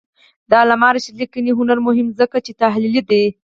د علامه رشاد لیکنی هنر مهم دی ځکه چې تحلیلي دی.